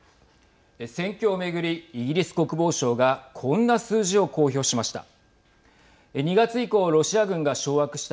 戦況を巡り、イギリス国防省がこんな数字を公表しました。